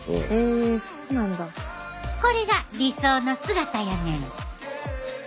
これが理想の姿やねん。